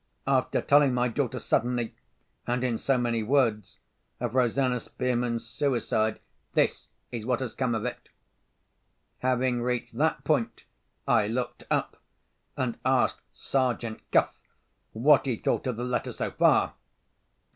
After telling my daughter suddenly, and in so many words, of Rosanna Spearman's suicide—this is what has come of it." Having reached that point, I looked up, and asked Sergeant Cuff what he thought of the letter, so far?